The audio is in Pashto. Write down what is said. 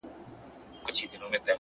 لاس يې د ټولو کايناتو آزاد، مړ دي سم،